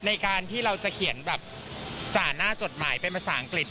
ในการที่เราจะเขียนแบบจ่าหน้าจดหมายเป็นภาษาอังกฤษ